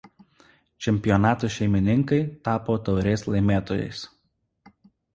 Čempionato šeimininkai tapo taurės laimėtojais.